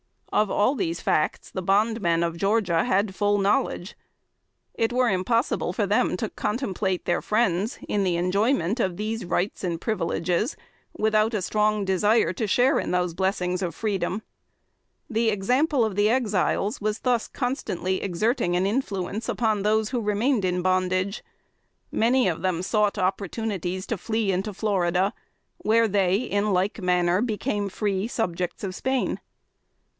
Of all these facts the bondmen of Georgia had full knowledge. It were impossible for them to contemplate their friends, in the enjoyment of these rights and privileges, without a strong desire to share in those blessings of freedom. The example of the Exiles was thus constantly exerting an influence upon those who remained in bondage. Many of them sought opportunities to flee into Florida, where they, in like manner, became free subjects of Spain. [Sidenote: 1796.